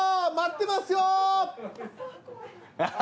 待ってますよ。